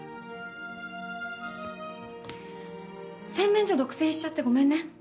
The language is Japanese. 洗面所独占しちゃってごめんね。